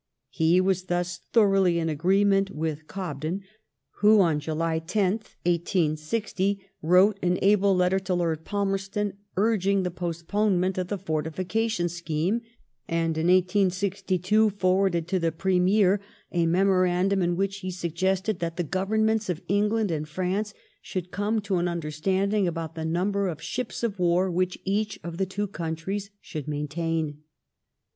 He was thus tho roughly in agreement with Cobden, who, on July 10th HOME AFFAIRS. 207 .I86O9 wrote an able letter to Lord Falmerston urging the postponement of the fortification scheme, and in 1862 forwarded to the Premier a memorandum in whioh he suggested that the Governments of England and ^France should come to an understanding about the number of ships of war which each of the two countries ishould maintain.